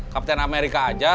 kapten amerika aja